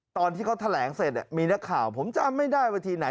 ตอนที่เขาแถลงเสร็จมีนักข่าวผมจำไม่ได้ว่าทีไหน